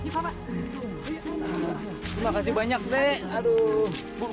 terima kasih banyak dek